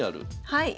はい。